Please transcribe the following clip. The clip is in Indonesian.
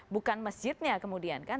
bukan masjidnya kemudian kan